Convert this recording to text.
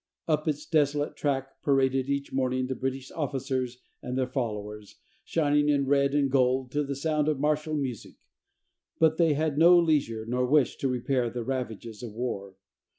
Up its desolate track paraded each morning the British officers and their followers, shining in red and gold, to the sound of martial music; but they had no leisure nor wish to repair the ravages of war.